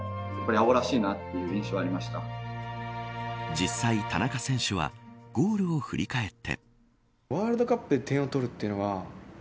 実際、田中選手はゴールを振り返って。